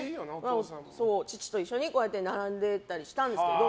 父と一緒に並んでたりしたんですけど。